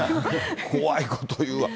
怖いこと言うわ。